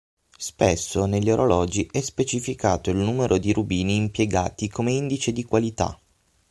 Spesso negli orologi è specificato il numero di rubini impiegati come indice di qualità.